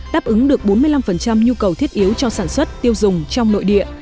đáp ứng được bốn mươi năm nhu cầu thiết yếu cho sản xuất tiêu dùng trong nội địa